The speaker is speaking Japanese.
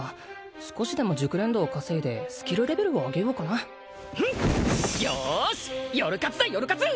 少しでも熟練度を稼いでスキルレベルを上げようかなよし夜活だ夜活！